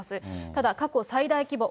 ただ過去最大規模